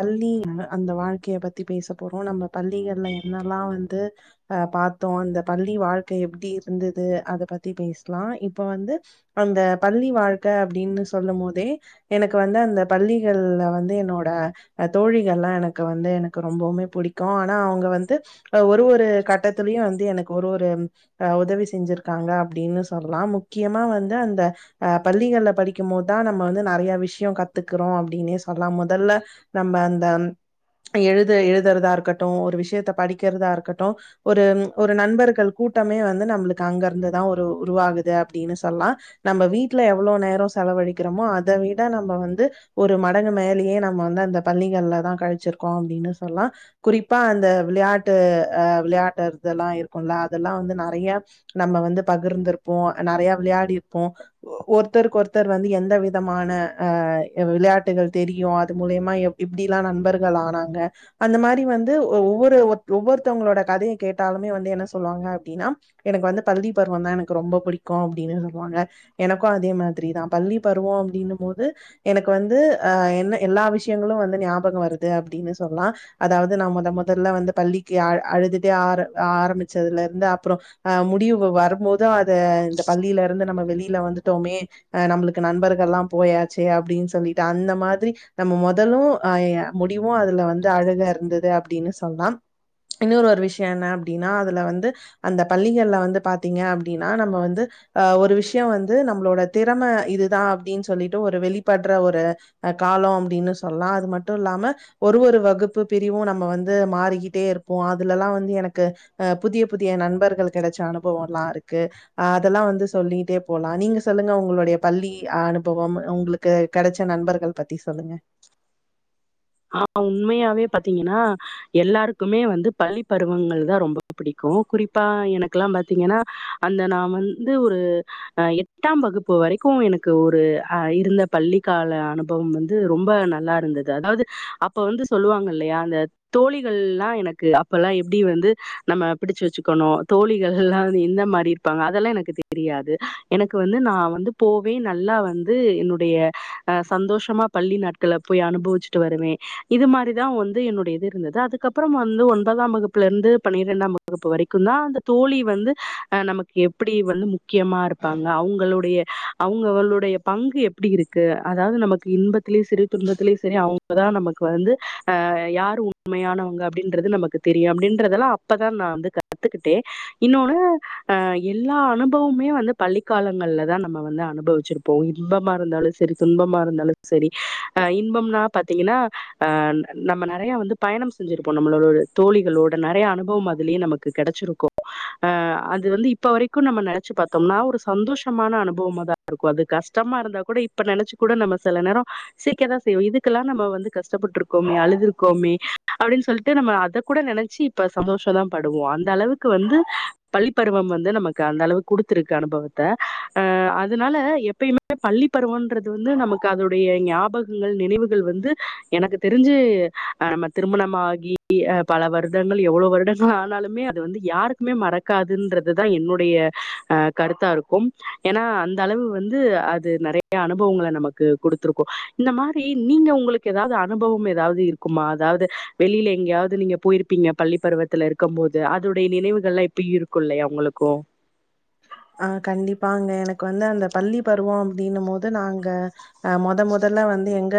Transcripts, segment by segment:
பள்ளி அந்த அந்த வாழ்க்கைய பத்தி நம்ப பேச போறோ நம்ம பள்ளிகள்ல என்னல்லா வந்து அ பாத்தோம் அந்த பள்ளி வாழ்க்க எப்டி இருந்தது அத பத்தி பேசலா இப்ப வந்து அந்த பள்ளி வாழ்க்க அப்டின்னு சொல்லும் போதே எனக்கு வந்து அந்த பள்ளிகள்ல வந்து என்னோட ஆ தோழிகள்லாம் எனக்கு வந்து எனக்கு ரொம்பவுமே பிடிக்கும் ஆனா அவங்க வந்து ஆ ஒரு ஒரு கட்டத்திலயும் வந்து எனக்கு ஒரு ஒரு அ உதவி செஞ்சிருக்காங்க அப்டின்னு சொல்லலா முக்கியமா வந்து அந்த அஆ பள்ளிகள்ல படிக்கும் போதுதா நம்ம வந்து நறைய விஷயோ கத்துக்கிறோ அப்டின்னே சொல்லாம் மொதல்ல நம்ம அந்த எழுத எழுதுறதா இருக்கட்டும் ஒரு விஷயத்த படிக்கிறதா இருக்கட்டும் ஒரு ஒரு நண்பர்கள் கூட்டமே வந்து நம்மளுக்கு அங்க இருந்துதா ஒரு உருவாகுது அப்டின்னு சொல்லா நம்ம வீட்ல எவ்ளோ நேரோ செலவழிக்கிறோமோ அத விட நம்ப வந்து ஒரு மடங்கு மேலயே நம்ம வந்து அந்த பள்ளிகள்ல தா கழிச்சிருக்கோ அப்டின்னு சொல்லா குறிப்பா அந்த விளையாட்டு அ விளையாட்டு இதெல்லா இருக்கும்ல அதெல்லா வந்து நெறைய்யா நம்ம வந்து பகிர்ந்திருப்போ நெறைய விளையாடிருப்போ ஒர்த்தருக்கு ஒருத்தர் வந்து எந்த விதமான அ விளையாட்டுகள் தெரியு அது மூலியமா எப் இப்டிலா நண்பர்கள் ஆனாங்க அந்த மாரி வந்து ஒவ்வொரு ஒவ்வொருத்தவங்களோட கதைய கேட்டாலுமே வந்து என்ன சொல்லுவாங்க அப்டின்னா எனக்கு வந்து பள்ளி பருவந்தா எனக்கு ரொம்ப புடிக்கும் அப்டின்னு சொல்லுவாங்க எனக்கும் அதே மாதிரி தா பள்ளி பருவோ அப்டின்னும் போது எனக்கு வந்து அ என்ன எல்லா விஷயங்களும் வந்து ஞாபகம் வருது அப்டின்னு சொல்லலா அதாவது நா முத முதல்ல வந்து பள்ளிக்கு அ அழுதுட்டே ஆர ஆரம்பிச்சதுல இருந்து அப்றோ ஆ முடிவு வரும்போதும் அத இந்த பள்ளியில இருந்து நம்ம வெளியில வந்து ட்டோமே ஆ நம்மளுக்கு நண்பர்கல்லா போயாச்சே அப்டின்னு சொல்லிட்டு அந்த மாதிரி நம்ம மொதலும் ஆ முடிவும் அதுல வந்து அழகா இருந்தது அப்டின்னு சொல்லாம் இன்னொரு ஒரு விஷயோ என்ன அப்டின்னா அதுல வந்து அந்த பள்ளிகள்ல வந்து பாத்தீங்க அப்டின்னா நம்ம வந்து ஆ ஒரு விஷயம் வந்து நம்மளோட திறம இதுதா அப்டின்னு சொல்லிட்டு ஒரு வெளிப்படுற ஒரு ஆ காலோ அப்டின்னு சொல்லா அது மட்டு இல்லாம ஒரு ஒரு வகுப்பு பிரிவும் நம்ம வந்து மாறிக்கிட்டே இருப்போ அதுலல்லா வந்து எனக்கு ஆ புதிய புதிய நண்பர்கள் கெடச்ச அனுபவம்ல்லா இருக்கு ஆ அதெல்லா வந்து சொல்லிட்டே போலா நீங்க சொல்லுங்க உங்களுடைய பள்ளி அனுபவம் உங்களுக் கெ கெடச்ச நண்பர்கள் பத்தி சொல்லுங்க ஆ உண்மையாவே பாத்தீங்கன்னா எல்லாருக்குமே வந்து பள்ளி பருவங்கள் தா ரொம்ப புடிக்கும் குறிப்பா எனக்குல்லா பாத்தீங்கன்னா அந்த நா வந்து ஒரு ஆ எட்டாம் வகுப்பு வரைக்கும் எனக்கு ஒரு ஆ இருந்த பள்ளிக்கால அனுபவ போம் வந்து ரொம்ப நல்லா இருந்தது அதாவது அப்ப வந்து சொல்லுவாங்க இல்லையா அந்த தோழிகள்ல்லா எனக்கு அப்பல்லா எப்டி வந்து நம்ம பிடிச்சு வச்சுக்கணு தோழிகள்ல்லா இந்த மாரி ப்பாங்க அதெல்லா எனக்கு தெரியாது எனக்கு வந்து நா வந்து போவே நல்லா வந்து என்னுடைய ஆ சந்தோஷமா பள்ளி நாட்கள போய் அனுபவிச்சிட்டு வருவே இது மாதிரிதா வந்து என்னுடைய இது இருந்தது அதுக்கப்றோ வந்து ஒன்பதாம் வகுப்புல இருந்து பன்னிரெண்டாம் வகுப் றுப்பு வரைக்குந்தா அந்த தோழி வந்து ஆ நமக்கு எப்டி வந்து முக்கியமா இருப்பாங்க அவங்களுடைய அங்க அவளுடைய பங்கு எப்டி இருக்கு அதாவது நமக்கு இன்பத்திலேயும் சரி துன்பத்திலேயும் சரி அவங்க அப்பதா நமக்கு வந்து ஆ யார் உண்மையானவங்க அப்டின்றது நமக்கு தெரியும் அப்டின்றதெல்லா அப்பதா நா வந்து கத் த்துக்கிட்டே இன்னொன்னு ஆ எல்லா அனுபவமே வந்து பள்ளிக்காலங்கள்ல தா நம்ம வந்து அனுபவிச் வெச்சிருப்போ இன்பமா இருந்தாலும் சரி துன்பமா இருந்தாலும் சரி ஆ இன்பம்ன்னா பாத்தீங்கன்னா அ நம்ம நெறைய வந்து பயணம் செஞ்சிருப்போ நம்மளோட தோழிகளோட நெறைய அனுபவம் அதுலேயே நமக்கு கு கெடச்சிருக்கு ஆ அது வந்து இப்ப வரைக்கு நம்ம நெனைச்சு பாத்தோம்னா ஒரு சந்தோஷமான அனுபவமாதா இருக்கு அது கஷ்டமா இருந்தா கூட இப்ப நெனைச்சு கூட நம்ம சில நேரோ சிரிக்க தா செய்வோ இதுக் இதுக்கெல்லா நம்ம வந்து கஷ்டப்பட்டுருக்கோமே அழுது இருக்கோமே அப்படின்னு சொல்லிட்டு நம்ம அத கூட நெனைச்சி இப்ப சந்தோஷந்தா படுவோ அந்த அளவுக்கு வந்து பள்ளிப்பருவம் வந்து நமக்கு அந்த அளவுக் குடுத்துருக்கு அனுபவத்த அ அதனால எப்பயுமே பள்ளி பருவோன்றது வந்து நமக் கு அதோடைய ஞாபகங்கள் நினைவு து வந்து எனக்கு தெரிஞ்சு நம்ம திருமணமாகி அ பல வரு டங்கள் எவ்வளோ வருடங்கள் ஆனாலுமே அது வந்து யாருக்குமே மறக்காதுன்றதுதா என்னுடைய அ கருத்தா இருக்கும் ஏன்னா அந்த அளவு வந்து அது நெறைய அனுபவங்கள நமக் கு குடுத்துருக்கு இந்த மாரி நீங்க உங்களுக்கு எதாவது அனுபவம் எதாவது இருக்குமா அதாவது வெளில எங்கேயாவது நீங்க போயிருப்பீங்க பள்ளி பருவத் இதுல இருக்கும் போது அதுடைய நினைவுகள் எல்லா இப்ப இருக்கு இல்லையா உங்களுக்கு ஆ கண்டிப்பாங்க எனக்கு வந்து அந்த பள்ளி பருவம் அப்டின்னும் போது நாங்க ஆ மொத மொதல்ல வந்து எங்க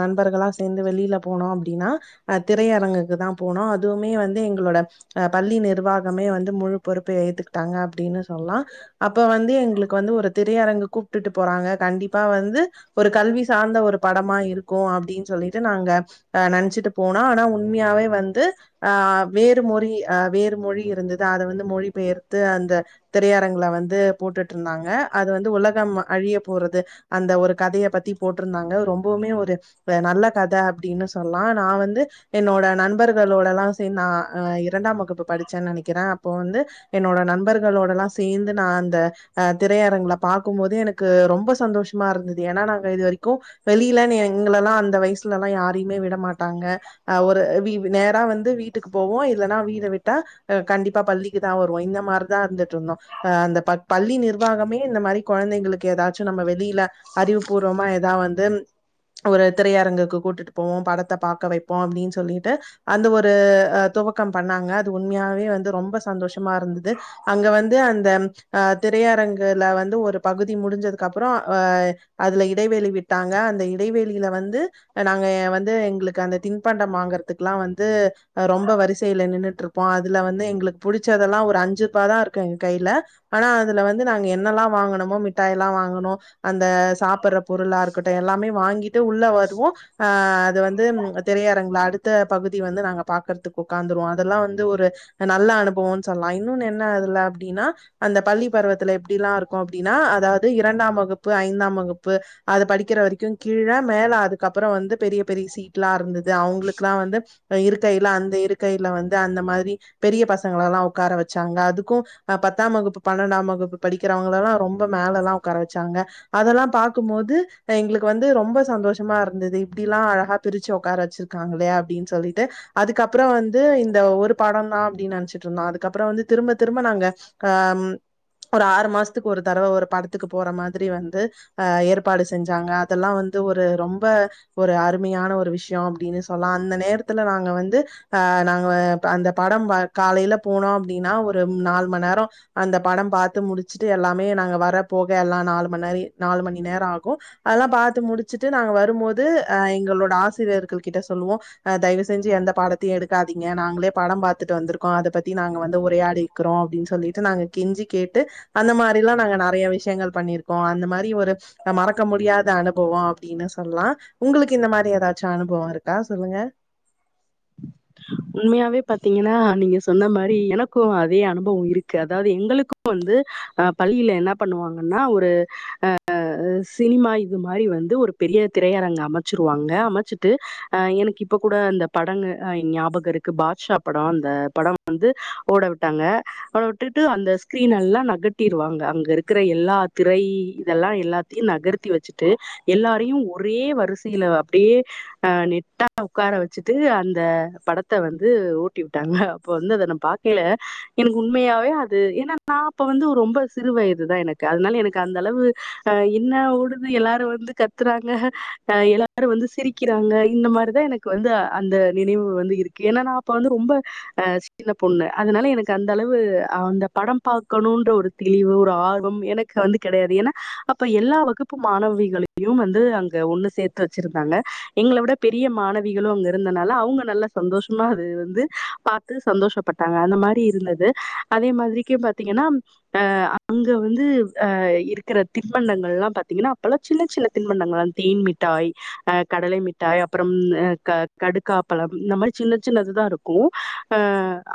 நண்பர்களா சேந்து வெளில போனோ அப்டின்னா அ திரையரங்குக்கு தா போனோ அதுவுமே வந்து எங்களோட அ பள்ளி நிர்வாகமே வந்து முழு பொறுப்பையு எத்துக்கிட்டாங்க அப்டின்னு சொல்லலா அப்ப வந்து எங்களுக்கு வந்து ஒரு திரையரங்கு கூப்ட்டுட்டு போறாங்க கண்டிப்பா வந்து ஒரு கல்வி சார்ந்த ஒரு படமா இருக்கும் அப்டின்னு சொல்லிட்டு நாங்க அ நெனைச்சிட்டு போனா ஆனா உண்மையாவே வந்து அ வேறு மொழி அ வேறு மொழி இருந்தது அத வந்து மொழி பெயர்த்து அந்த திரையரங்குல வந்து போட்டுட்டு இருந்தாங்க அது வந்து உலகம் அழிய போறது அந்த ஒரு கதைய பத்தி போட்டிருந்தாங்க ரொம்பவுமே ஒரு இப்ப நல்ல கதை அப்டின்னு சொல்லா நா வந்து என்னோட நண்பர்களோட எல்லா சேந்து நா அ இரண்டாம் வகுப்பு படிச்சேன்னு நெனைக்கிறே அப்ப வந்து என்னோட நண்பர்களோடல்லா சேந்து நா அந்த அ திரையரங்குல பாக்கும் போதே எனக்கு ரொம்ப சந்தோஷமா இருந்தது ஏன்னா நாங்க இது வரைக்கும் வெளியிலன்னு எங்கள எல்லா அந்த வயசுல எல்லா யாரையுமே விட மாட்டாங்க அ ஒரு வீவ் நேரா வந்து வீட்டுக்கு போவோ இல்லன்னா வீடு விட்டா அ கண்டிப்பா பள்ளிக்கு தா வருவோ இந்த மாறிதா இருந்துட்டு இருந்தோ அ அந்த ப பள்ளி நிர்வாகமே இந்த மாறி கொழந்தைங்களுக்கு ஏதாச்சும் நம்ம வெளியில அறிவுபூர்வமா ஏதா வந்து ஒரு திரையரங்குக்கு கூட்டுட்டு போவோ படத்த பாக்க வைப்போ அப்டின்னு சொல்லிட்டு அந்த ஒரு் துவக்கம் பண்ணாங்க அது ஒரு துவக்கம் பண்ணாங்க உண்மையாவே வந்து ரொம்ப சந்தோஷமா இருந்தது அங்க வந்து இது அந்த அ திரையரங்குல வந்து ஒரு பகுதி முடிஞ்சதுக்கு அப்பறோ அ அதுல இடைவெளி விட்டாங்க அந்த இடைவெளியில வந்து நாங்க வந்து எங்களுக்கு அந்த தின்பண்டம் வாங்கறத்துக்கெல்லா வந்து அ ரொம்ப வரிசையில நின்னுட்டு இருப்போ அதுல வந்து எங்களுக்கு புடிச்சதெல்லா ஒரு அஞ்சு ரூபா தா இருக் கை கைல ஆனா அதுல வந்து நாங்க என்னெல்லா வாங்கணுமோ மிட்டாய் எல்லா வாங்கனோ அந்த சாப்பட்ற பொருளா இருக்கட்டும் எல்லாமே வாங்கிட்டு உள்ள வருவோ ஆ அது வந்து திரையரங்குல அடுத்த பகுதி வந்து நாங்க பாக்கறதுக்கு உக்காந்துருவோ அதெல்லா வந்து ஒரு நல்ல அனுபவோன்னு சொல்லலா இன்னொன்னு என்ன அதுல அப்டின்னா அந்த பள்ளி பருவத்துல எப்படி எல்லா இருக்கும் அப்டின்னா அதாவது இரண்டாம் வகுப்பு ஐந்தாம் வகுப்பு அது படிக்கிற வரைக்கு கீழ மேல அதுக்கப்றோ வந்து பெரிய பெரிய சீட் எல்லா இருந்தது அவங்களுக்கெல்லா வந்து இப்ப இருக்கையில அந்த இருக்கையில வந்து அந்த மாதிரி பெரிய பசங்கள எல்லா உக்கார வச்சாங்க அதுக்கும் அ பத்தாம் வகுப்பு பன்னெண்டாம் வகுப்பு படிக்கிறவங்களல்லா ரொம்ப மேல எல்லா உக்கார வச்சாங்க அதெல்லா பாக்கும்போது எங்களுக்கு வந்து ரொம்ப சந்தோஷமா இருந்தது இப்டில்லா அழகா பிரிச்சு உக்கார வச்சிருக்காங்களே அப்டின்னு சொல்லிட்டு அதுக்கப்பற வந்து இந்த ஒரு படொந் தா அப்டின்னு நெனச்சிட்ருந்தோ அதுக்கப்பறொ வந்து திரும்ப திரும்ப நாங்க அ ஒரு ஆறு மாசத்துக்கு ஒரு தடவ ஒரு படத்துக்கு போற மாதிரி வந்து ஆ ஏற்பாடு செஞ்சாங்க அதெல்லாம் வந்து ஒரு ரொம்ப ஒரு அருமையான ஒரு விஷயோ அப்டின்னு சொல்லா அந்த நேரத்துல நாங்க வந்து ஆ நாங்க அந்த படம் காலைல போனோ அப்டின்னா ஒரு நால் மண் நேரோ அந்த படம் பாத்து முடிச்சுட்டு எல்லாமே நாங்க வர போக எல்லா நாலு மண் நரி நாலு மணி நேரோ ஆகு அதெல்லா பாத்து முடிச்சிட்டு நாங்க வரும்போது அ எங்களோட ஆசிரியர்கள் கிட்ட சொல்லுவோ கா தயவு செஞ்சு எந்த பாடத்தையு எடுக்காதீங்க நாங்களே படோ பாத்துட்டு வந்திருக்கோ அத பத்தி நாங்க வந்து உரையாடிக்கிறோ அப்டின்னு சொல்லிட்டு நாங்க கெஞ்சி கேட்டு அந்த மாரிலா நாங் நெறைய விஷயங்கள் பண்ணிருக்கோ அந்த மாரி ஒரு நம் மறக்க முடியாத அனுபவோ அப்டின்னு சொல்லா உங்களுக்கு இந்த மாரி ஏதாச்சு அனுபவோ இருக்கா சொல்லுங்க உண்மையாவே பாத்தீங்கன்னா நீங்க சொன்ன மாரி எனக்கு அதே அனுபவோ இருக்கு அதாது எங்களுக்கு வந்து ஆ பள்ளில என்ன பண்ணுவாங்கன்னா ஒரு அ அ சினிமா இது மாரி வந்து ஒரு பெரிய திரையரங்கு அமைச்சிருவாங்க அமச்சிட்டு அ எனக்கு இப்ப கூட அந்த படங்க அ ஞாபக இருக்கு பாட்ஷா படோ அந்த படோ வந்து ஓட விட்டாங்க ஓட விட்டுட்டு அந்த ஸ்கிரீன் எல்லா நகட் கட்டிருவாங்க அங்க இருக்கிற எல்லா திரை இதெல்லா எல்லாத்தையு நகர்த்தி வச்சுட்டு எல்லாரையு ஒரே வரிசையில அப்டியே அ நெட்டா உக்கார வச்சுட்டு அந்த படத் த்த வந்து ஓட்டி விட்டாங்க அப்ப வந்து அத நா பாக்கல எனக்கு உண்மையாவே அது ஏனா நா அப்ப வந்து ரொம்ப சிறு வயதுதா எனக்கு அதனால எனக்கு அந்த அளவு அ என்ன ஊடுன்னு எல்லாரு வந்து கத்துறாங்க எல்லாரு வந்து சிரிக்கிறாங்க இந்த மாரிதா எனக் க்கு வந்து அந்த நினைவு வந்து இருக்கு என்னன்னா அப்ப வந்து ரொம்ப அ சின்ன பொண்ணு அதனால எனக்கு அந்த அளவு அந்த படம் பாக்கணுன்ற ஒரு தெளிவு ஒரு ஆர்வம் எனக் இங்க வந்து கெடையாது ஏன்னா அப்ப எல்லா வகுப்பு மாணவிகளையு வந்து அங்க ஒண்ணு சேத்து வச்சிருந்தாங்க எங்கள விட பெரிய மாணவிகளு அங்க இருந்தனால அவங்க நல்ல சந்தோஷமா அது வந்து பாத்து சந்தோஷப்பட்டாங்க அந்த மாரி இருந்தது அதே மாதிரிக்கு பாத்தீங்கன்னா அ அங்க வந்து அ இருக்கிற தின்பண்டங்கள்ல்லா பாத்தீங்கன்னா அப்பல்ல சின்ன சின்ன தின்பண்டங்களா தேன் மிட்டாய் அ கடலை மிட்டாய் அப்பறம் அ க கடுக்காப்பழம் இந்த மா சின்ன சின்னது தா இருக்கு அ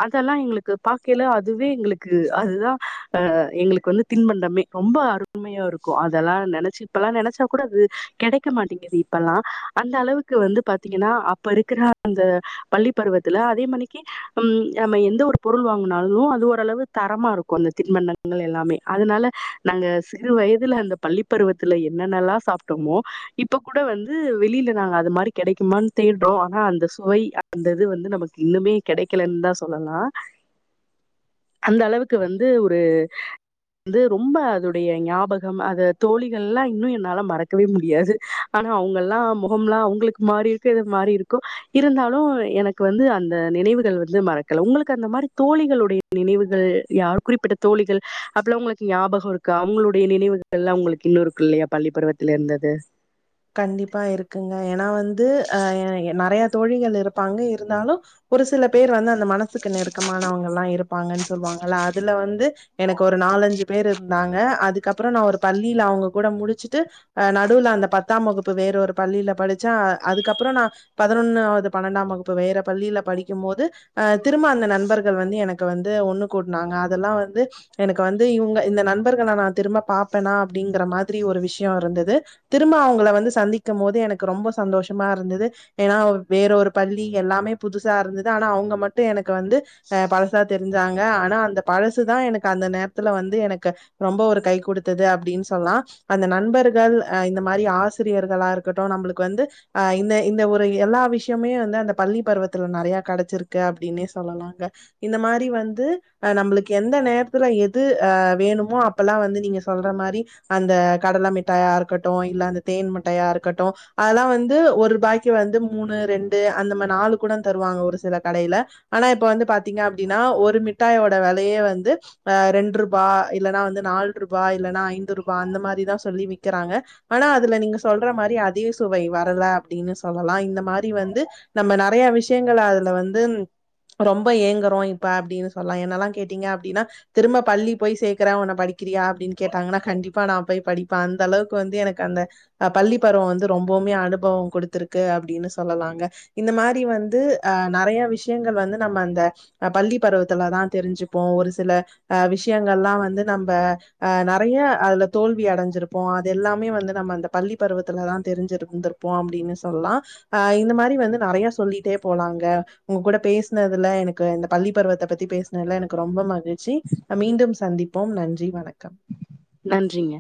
அதெல்லா எங்களுக்கு பாக்கையில அதுவே எங்களுக்கு அதுதா அ எங்களுக்கு வந்து தின்பண்டமே ரொம்ப அருமையா இருக்கு அதெல்லா நெனைச்சு இப்பெல்லா நெனச்சா கூட அது கெடைக்க மாட்டேங்குது இப்பெல்லா அந்த அளவுக்கு வந்து பாத்தீங்கன்னா அப்ப இருக்கிற அந்த பள்ளி பருவத்துல அதே மணிக்கு ம் நம்ம எந்த ஒரு பொருள் வாங்குனாலு அது ஓரளவு தரமா இருக்கு அந்த தின்பண்டங்க கள் எல்லாமே அதனால நாங்க சிறு வயதுல அந்த பள்ளிப்பருவத்துல என்னென்னல்லா சாப்ட்டோமோ இப்ப கூட வந்து வெளில நாங்க அது மாரி கெடைக்குமான் தேடுறோ ஆனா அந்த சுவை அந்த இது வந்து நமக்கு இன்னுமே கெடைக்கலன் தா சொல்லலா அந்த அளவுக்கு வந்து ஒரு வந்து ரொம்ப அதுடைய ஞாபகம் அத தோழிகள்ல்லா இன்னு என்னால மறக்கவே முடியாது ஆனா அவங்கல்லா முக எல்லா அவங்களுக்கு மாறி இருக்கு இது மாறி இருக்கு இருந்தாலு எனக்கு வந்து அந்த நினைவுகள் வந்து மறக்கல உங்களுக்கு அந்த மாரி தோழிகளுடைய நினைவுகள் யார் குறிப்பிட்ட தோழிகள் அப்பல்லா உங்களுக்கு ஞாபகோ இருக்கா அவங்களுடைய நினைவுகள்ல்லா உங்களுக்கு இன்னு இருக்குல்லையா பள்ளி பருவத்துல இருந்தது கண்டிப்பா இருக்குங்க ஏனா வந்து அ நெறைய தோழிகள் இருப்பாங்க இருந்தாலு ஒரு சில பேர் வந்து அந்த மனசுக்கு நெருக்கமானவங்கல்லா இருப்பாங்கன் சொல்வாங்கல்ல அதுல வந்து எனக்கு ஒரு நாலஞ்சு பேர் இருந்தாங்க அதுக்கப்புறோ நா ஒரு பள்ளில அவங்க கூட முடிச்சிட்டு அ நடுவுல அந்த பத்தாம் வகுப்பு வேற ஒரு பள்ளியில படிச்ச அதுக்கப்றோ நா பதினொன்னாவது பன்னெண்டாம் வகுப்பு வேற பள்ளியில படிக்கும் போது அ திரும்ப அந்த நண்பர்கள் வந்து எனக்கு வந்து ஒண்ணு கூட்னாங்க அதெல்லா வந்து எனக்கு வந்து இவ்ங்க இந்த நண்பர்கள நா திரும்ப பாப்பனா அப்டிங்கற மாரி ஒரு விஷ்யோ இருந்துது திரும்ப அவங்கள வந்து சந்திக்கும் போது எனக்கு ரொம்ப சந்தோஷமா இருந்தது எனா வேற ஒரு பள்ளி எல்லாமே புதுசா இருந்தது ஆனா அவ்ங்க மட்டு எனக்கு வந்து அ பழசா தெருஞ்சாங்க ஆனா அந்த பழசுதா எனக்கு அந்த நேரத்துல வந்து எனக்கு ரொம்ப ஒரு கை கொடுத்துது அப்டின்னு சொல்லா அந்த நண்பர்கள் அ இந்த மாரி ஆச் சிரியர்களா இருக்கட்டு நம்மளுக்கு வந்து அ இந்த இந்த ஒரு எல்லா விஷ்யமே வந்து அந்த பள்ளி பருவத்துல நறையா கடச்சிருக்கு அப்டின்னே சொல்லலாங்க இந்த மாரி வந்து அ நம்பளுக்கு எந்த நேரத்துல எது அ வேணுமோ அப் அப்பல்லா வந்து நீங்க சொல்ற மாரி அந்த கடல மிட்டாயா இருக்கட்டூ இல்ல அந்த தேன் மிட்டாயா இருக்கட்டூ ஆனா வந்து ஒரு பாய்க்கி வந்து மூணு ரெண்டு அந்த மா நாலு கூட தருவாங்க ஒரு சில கடைல ஆனா இப்ப வந்து பாத்தீங்க அப்டின்னா ஒரு மிட்டாயோட வெலையே வந்து இப்ப ரெண்ருபா இல்லன்னா வந்து நால்ருபா இல்லன்னா ஐந்து ருபா அந்த மாரிதா சொல்லி விக்கெறாங்க ஆனா அதுல நீங்க சொல்ற மாரி அதே சுவை வரல அப்டின்னு சொல்லலா இந்த மாரி வந்து நம்ம நறையா விஷயங்கள் அதுல வந்து ரொம்ப ஏங்கறோ இப்ப அப்டின்னு சொல்லலா என்னெல்லா கேட்டீங்க அப்டின்னா திரும்ப பள்ளி போய் சேக்கற உன்ன படிக்கிறியா அப்டின்னு கேட்டாங்கன்னா கண்டிப்பா நா போய் படிப்பே அந்த அளவுக்கு வந்து எனக்கு அந்த அ பள்ளி பருவோ வந்து ரொம்பவுமே அனுபவொம் குடுத்துருக்கு அப்டின்னு சொல்லலாங்க இந்த மாரி வந்து அ நறையா விஷ்யங்கள் வந்து நம்ம அந்த அ பள்ளி பருவத்துலதா தெரிஞ்சுப்போ ஒரு சில அ விஷயங்கள்லா வந்து நம்ம ஆ நறையா அதுல தோல்வி அடஞ்சிருப்போ அது எல்லாமே வந்து நம்ம அந்த பள்ளி பருவத்துல தா தெருஞ்சு இருந்திருப்போ அப்டின்னு சொல்லா அ இந்த மாரி வந்து நறையா சொல்லிட்டே போலாங்க உங்க கூட பேசுனதுல எனக்கு இந்த பள்ளி பருவத்த பத்தி பேச் னெல்லா எனக்கு ரொம்ப மகிழ்ச்சி அ மீண்டும் சந்திப்போம் நன்றி வணக்கம் நன்றிங்க